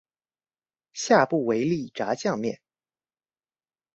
下不為例炸醬麵